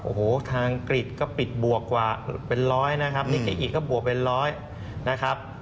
โอ้โหทางกฤษก็ปิดบวกกว่าเป็นร้อยนะครับนิกิอิก็บวกเป็นร้อยนะครับ